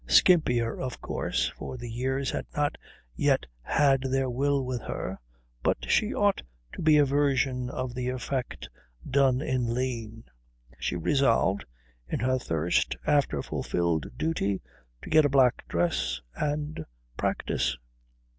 Skimpier, of course, for the years had not yet had their will with her, but she ought to be a version of the effect done in lean. She resolved, in her thirst after fulfilled duty, to get a black dress and practise.